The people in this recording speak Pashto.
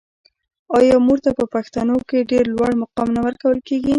آیا مور ته په پښتنو کې ډیر لوړ مقام نه ورکول کیږي؟